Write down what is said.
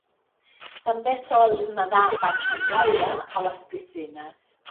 També sol nadar panxa enlaire a les piscines.